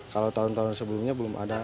kalau tahun tahun sebelumnya belum ada